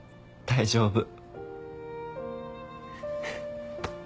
大丈夫。